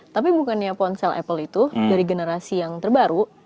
tapi bukannya ponsel apple itu dari generasi yang terbaru